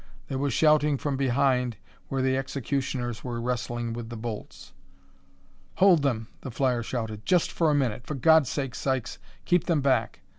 There was shouting from behind where the executioners were wrestling with the bolts. "Hold them," the flyer shouted, "just for a minute! For God's sake, Sykes, keep them back!